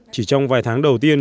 chỉ trong vài tháng đầu tiên